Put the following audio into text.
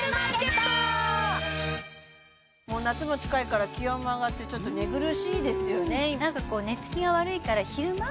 もう夏も近いから気温も上がってちょっと寝苦しいですよねなんかこう寝付きが悪いから昼間？